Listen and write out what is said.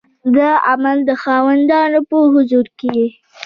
د عمل د خاوندانو په حضور کې